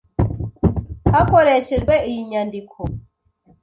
hakoresheje iyi nyandiko.